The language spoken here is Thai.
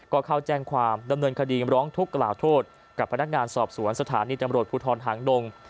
ก็เข้าแจ้งความดำเนินคดีร้องทุกข์กล่าวโทษกับพนักงานสอบสวนสถานีตำรวจภูทรหางดง